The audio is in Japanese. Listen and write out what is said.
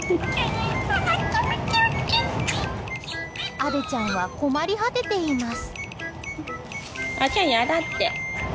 アデちゃんは困り果てています。